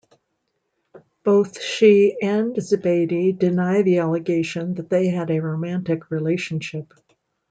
Both she and Zubeidi deny the allegation that they had a romantic relationship.